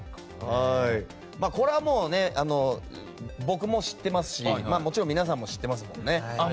これは僕も知ってますしもちろん皆さんも知ってますもんね。